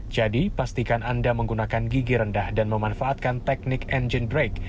pastikan anda menggunakan gigi rendah dan memanfaatkan teknik engine break